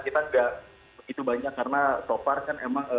kita nggak begitu banyak karena so far kan emang